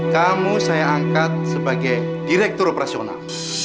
kamu saya angkat sebagai direktur operasional